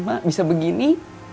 mak bisa begini